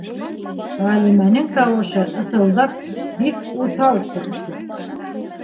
- Ғәлимәнең тауышы ыҫылдап, бик уҫал сыҡты.